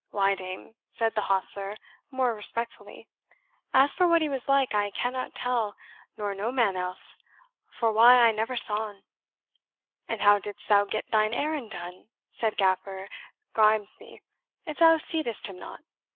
"Why, dame," said the hostler, more respectfully, "as for what he was like I cannot tell, nor no man else, for why I never saw un." "And how didst thou get thine errand done," said Gaffer Grimesby, "if thou seedst him not?"